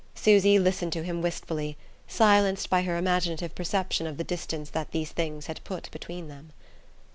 Susy listened to him wistfully, silenced by her imaginative perception of the distance that these things had put between them.